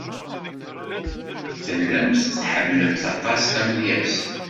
Tellamt tḥemmlemt aṭas tamedyazt.